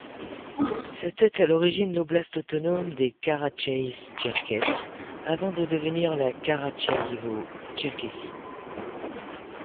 C'était à l'origine l'oblast autonome des Karatchaïs-Tcherkesses, avant de devenir la Karatchaïévo-Tcherkessie.